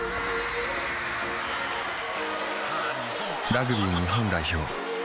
・ラグビー日本代表